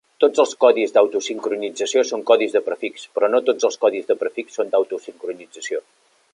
Tots els codis d'autosincronització són codis de prefix, però no tots els codis de prefix són d'autosincronització.